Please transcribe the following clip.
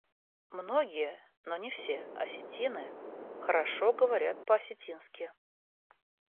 Многие — но не все — осетины хорошо говорят по-осетински.